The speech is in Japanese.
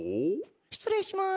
失礼します。